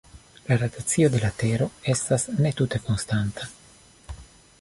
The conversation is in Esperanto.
La rotacio de la Tero estas ne tute konstanta.